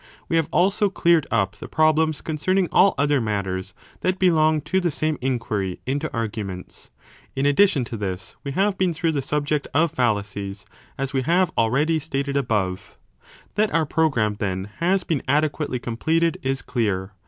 We have also cleared up the problems concerning all other matters that belong to the same inquiry into arguments. In addition to this we have 15 been through the subject of Fallacies, as we have already stated above. 1 That our programme, then, has been adequately com pleted is clear.